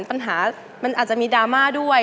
ปัญหามันอาจจะมีดราม่าด้วย